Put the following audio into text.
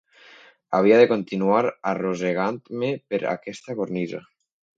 Havia de continuar, arrossegant-me per aquesta cornisa.